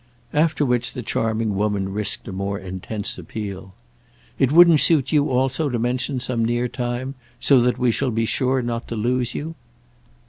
After which the charming woman risked a more intense appeal. "It wouldn't suit you also to mention some near time, so that we shall be sure not to lose you?"